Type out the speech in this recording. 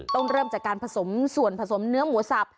เริ่มจากการผสมส่วนผสมเนื้อหมูสับ